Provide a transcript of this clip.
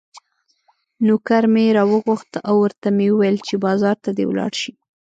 نوکر مې راوغوښت او ورته مې وویل چې بازار ته دې ولاړ شي.